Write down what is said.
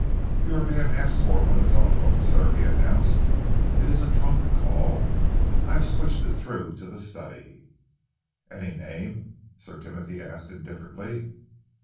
"You are being asked for on the telephone, sir," he announced. "It is a trunk call. I have switched it through to the study." "Any name?" Sir Timothy asked indifferently.